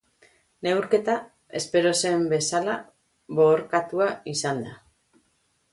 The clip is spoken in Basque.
Neurketa, espero zen bezala oso boorkatua izan da.